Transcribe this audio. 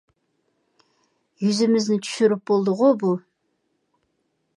يۈزىمىزنى چۈشۈرۈپ بولدىغۇ بۇ.